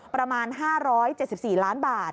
ประมาณ๕๗๔ล้านบาท